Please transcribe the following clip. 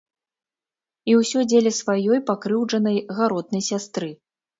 І ўсё дзеля сваёй пакрыўджанай гаротнай сястры.